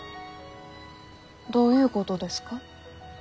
どういうごどですか？